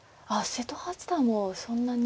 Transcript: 瀬戸八段もそんなに。